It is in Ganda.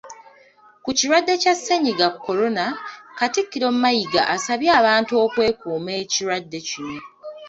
Ku Kirwadde kya sennyiga Corona, Katikkiro Mayiga asabye abantu okwekuuma ekirwadde kino.